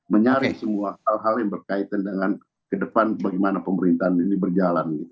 menyaring semua hal hal yang berkaitan dengan ke depan bagaimana pemerintahan ini berjalan